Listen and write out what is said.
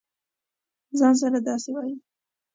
ځـان سره داسې وایې.